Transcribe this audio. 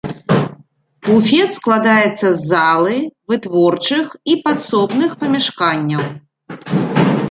Буфет складаецца з залы, вытворчых і падсобных памяшканняў.